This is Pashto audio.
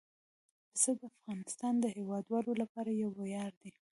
پسه د افغانستان د هیوادوالو لپاره یو ویاړ دی.